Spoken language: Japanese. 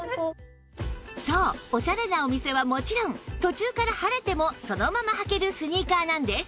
そうオシャレなお店はもちろん途中から晴れてもそのまま履けるスニーカーなんです